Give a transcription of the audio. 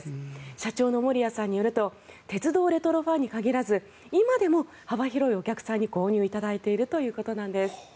社長の守谷さんによると鉄道レトロファンに限らず今でも幅広いお客さんに購入いただいているということなんです。